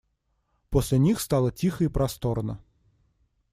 После них стало тихо и просторно.